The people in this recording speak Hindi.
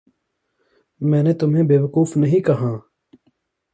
मैंने तुम्हें बेवकूफ़ नहीं कहाँ।